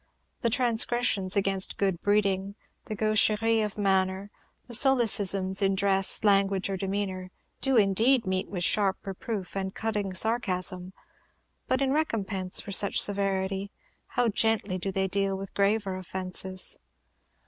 The transgressions against good breeding the "gaucheries" of manner, the solecisms in dress, language, or demeanor do indeed meet with sharp reproof and cutting sarcasm; but, in recompense for such severity, how gently do they deal with graver offences!